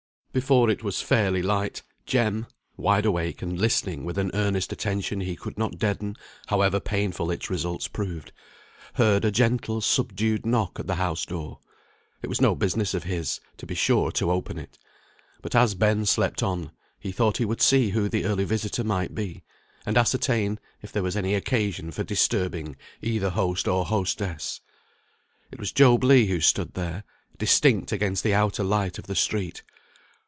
Before it was fairly light, Jem (wide awake, and listening with an earnest attention he could not deaden, however painful its results proved) heard a gentle subdued knock at the house door; it was no business of his, to be sure, to open it, but as Ben slept on, he thought he would see who the early visitor might be, and ascertain if there was any occasion for disturbing either host or hostess. It was Job Legh who stood there, distinct against the outer light of the street.